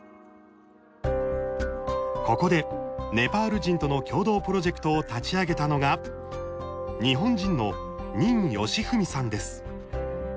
ここで、ネパール人との共同プロジェクトを立ち上げたのが、日本人の任喜史さんです。